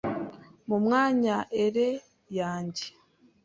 mumwanya ere yanjye